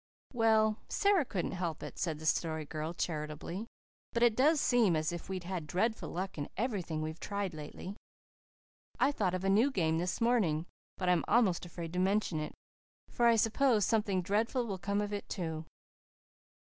"Well, Sara couldn't help it," said the Story Girl charitably, "but it does seem as if we'd had dreadful luck in everything we've tried lately. I thought of a new game this morning, but I'm almost afraid to mention it, for I suppose something dreadful will come of it, too."